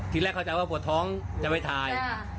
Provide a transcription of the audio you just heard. ทีแรกเข้าใจว่าปวดท้องจะไปถ่าย